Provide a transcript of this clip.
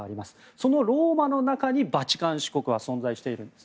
そのローマの中にバチカン市国は存在しています。